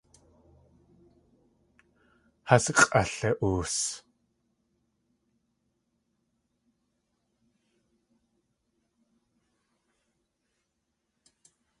Has x̲ʼali.oos.